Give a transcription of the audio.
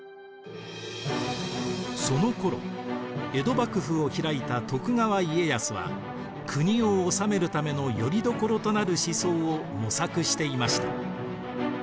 そのころ江戸幕府を開いた徳川家康は国を治めるためのよりどころとなる思想を模索していました。